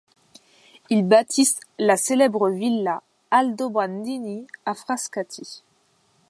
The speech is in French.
Ils bâtissent la célèbre villa Aldobrandini à Frascati.